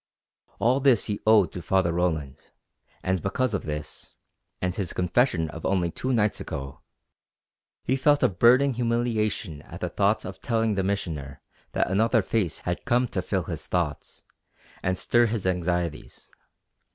All this he owed to Father Roland, and because of this and his confession of only two nights ago he felt a burning humiliation at the thought of telling the Missioner that another face had come to fill his thoughts, and stir his anxieties.